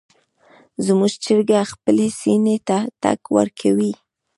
زموږ چرګه خپلې سینې ته ټک ورکوي.